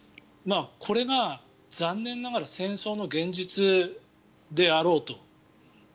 これが残念ながら戦争の現実であろうと。